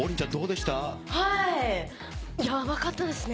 やばかったですね。